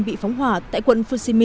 bị phóng hỏa tại quận fushimi